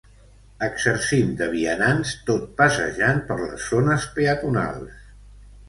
Exercim de vianants tot passejant per les “zones peatonals”.